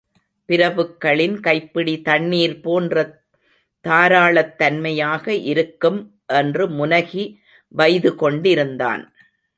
பிரபுக்களின் கைப்பிடி தண்ணீர்போன்ற தாராளத்தன்மையாக இருக்கும்! என்று முனகி வைது கொண்டிருந்தான்.